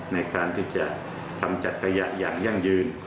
ในการที่จะทำจักรยานอย่างยั่งยืน